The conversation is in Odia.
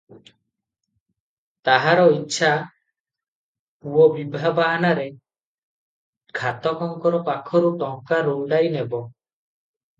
ତାହାର ଇଚ୍ଛା, ପୁଅ ବିଭା ବାହାନାରେ ଖାତକଙ୍କ ପାଖରୁ ଟଙ୍କା ରୁଣ୍ଡାଇ ନେବ ।